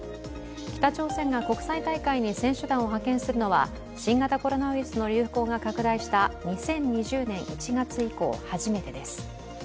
北朝鮮が国際大会に選手団を派遣するのは新型コロナウイルスの流行が拡大した２０２０年１月以降、初めてです。